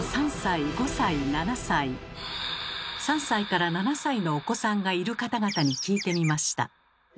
３歳から７歳のお子さんがいる方々に聞いてみました。